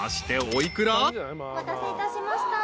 お待たせいたしました。